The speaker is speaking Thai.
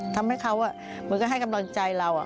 ทำให้เขาเหมือนก็ให้กำลังใจเรา